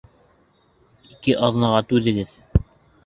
Ике аҙнаға түҙегеҙ.